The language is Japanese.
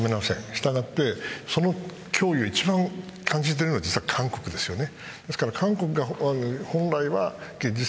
したがってその脅威を一番感じているのは韓国ですよね。